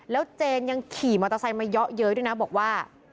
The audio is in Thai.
แล้วเจนยังขี่มอเตอร์ไซค์มาเยอะเย้ยด้วยนะบอกว่า